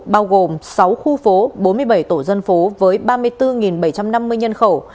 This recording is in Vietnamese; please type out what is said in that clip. bao gồm sáu khu phố bốn mươi bảy tổ dân phố với ba mươi bốn bảy trăm năm mươi nhân khẩu